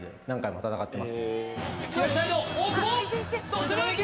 どうする！？